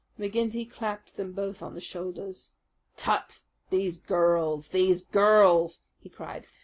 McGinty clapped them both on the shoulders. "Tut! These girls! These girls!" he cried.